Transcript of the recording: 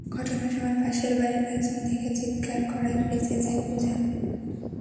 ঘটনার সময় পাশের বাড়ির একজন দেখে চিৎকার করায় বেঁচে যায় পূজা।